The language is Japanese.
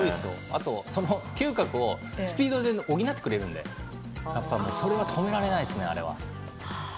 その嗅覚をスピードで補ってくれるのでそれは止められないですね。